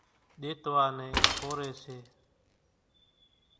ۮيتوا نين ڦوري سي